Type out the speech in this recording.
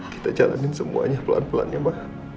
kita jalanin semuanya pelan pelannya ma